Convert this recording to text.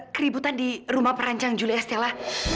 ada ributan di rumah perancang julia stella